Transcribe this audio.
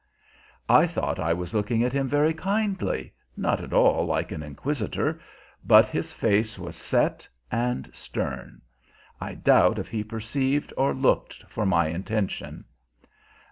I thought I was looking at him very kindly, not at all like an inquisitor, but his face was set and stern. I doubt if he perceived or looked for my intention.